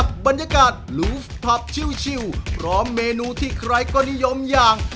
บรรยากาศลูฟผับชิวพร้อมเมนูที่ใครก็นิยมอย่าง